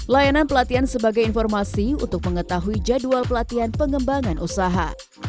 layanan pelatihan sebagai informasi untuk mengetahui jadwal pelatihan pengembangan usaha